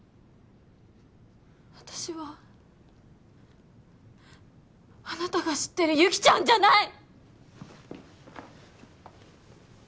私はあなたが知ってる「雪ちゃん」じゃない！